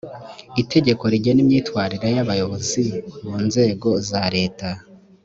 itegeko rigena imyitwarire y’abayobozi mu nzego za leta